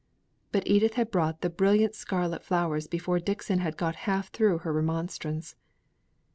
But Edith had brought the brilliant scarlet flowers before Dixon had got half through her remonstrance.